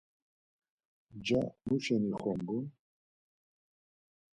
Nca muşeni xombun?